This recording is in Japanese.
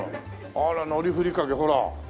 あら海苔ふりかけほら。